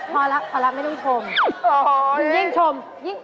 พอแล้วไม่ต้องชม